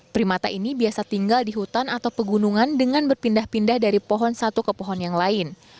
primata ini biasa tinggal di hutan atau pegunungan dengan berpindah pindah dari pohon satu ke pohon yang lain